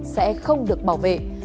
sẽ không được bảo vệ